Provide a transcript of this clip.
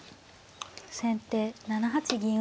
先手７八銀打。